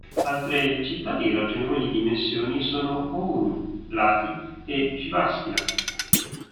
Altre città di ragionevoli dimensioni sono Oulu, Lahti e Jyväskylä.